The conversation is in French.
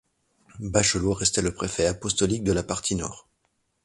Bachelot restait le préfet apostolique de la partie nord.